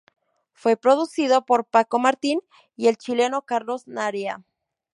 Fue producido por Paco Martín y el chileno Carlos Narea.